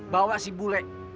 bawa si bule